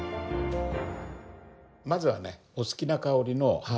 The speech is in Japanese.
まずはねお好きな香りのハーブ